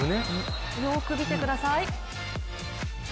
よく見てください。